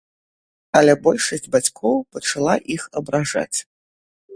Але большасць бацькоў пачала іх абражаць.